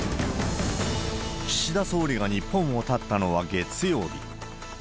岸田総理が日本をたったのは月曜日。